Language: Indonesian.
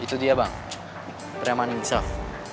itu dia bang tereman nisaf